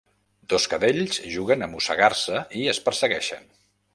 Dos cadells juguen a mossegar-se i es persegueixen.